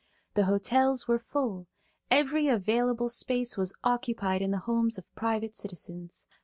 The hotels were full; every available space was occupied in the homes of private citizens.